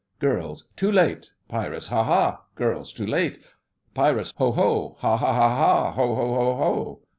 GIRLS: Too late! PIRATES: Ha, ha! GIRLS: Too late! PIRATES: Ho, ho! Ha, ha, ha, ha! Ho, ho, ho, ho!